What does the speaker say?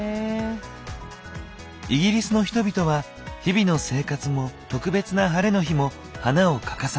イギリスの人々は日々の生活も特別なハレの日も花を欠かさない。